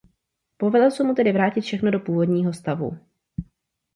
Povedlo se mu tedy vrátit všechno do původního stavu.